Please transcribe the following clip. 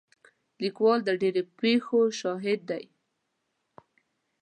لیکوال د ډېرو زیاتو پېښو شاهد دی.